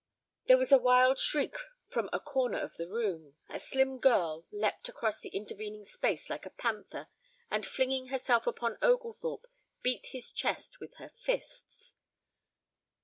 "_)] There was a wild shriek from a corner of the room, a slim girl leapt across the intervening space like a panther, and flinging herself upon Oglethorpe, beat his chest with her fists.